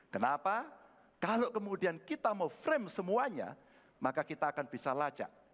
kenapa kalau kemudian kita mau frame semuanya maka kita akan bisa lacak